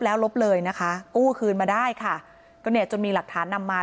แล้วลบเลยนะคะกู้คืนมาได้ค่ะก็เนี่ยจนมีหลักฐานนำมา